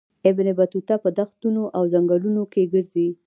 ابن بطوطه په دښتونو او ځنګلونو کې ګرځي.